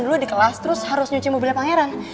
dulu di kelas terus harus nyuci mobilnya pangeran